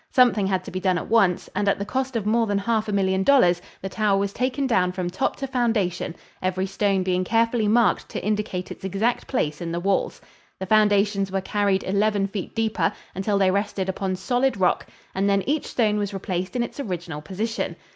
Something had to be done at once, and at the cost of more than half a million dollars the tower was taken down from top to foundation, every stone being carefully marked to indicate its exact place in the walls. The foundations were carried eleven feet deeper, until they rested upon solid rock, and then each stone was replaced in its original position.